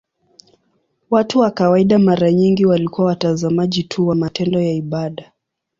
Watu wa kawaida mara nyingi walikuwa watazamaji tu wa matendo ya ibada.